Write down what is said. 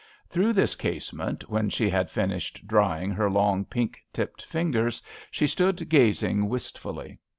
Through this casement, when she had finished drying her long, pink tipped fingers, she stood gazing wist fully.